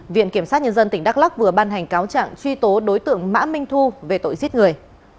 viện kiểm sát nhân dân tỉnh đắk lắc vừa ban hành cáo trạng truy tố đối tượng mã minh thu về tội giết người